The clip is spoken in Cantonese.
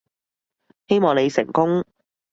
希望你成功